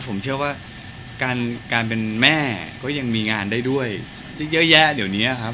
ผมเชื่อว่าการการเป็นแม่ก็ยังมีงานได้ด้วยเยอะแยะเดี๋ยวนี้ครับ